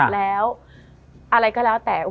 แล้วอะไรก็แล้วแต่